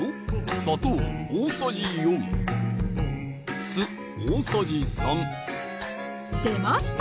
砂糖大さじ４酢大さじ３出ました！